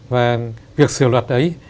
và việc xử luật ấy